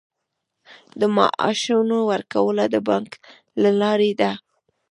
د معاشونو ورکړه د بانک له لارې ده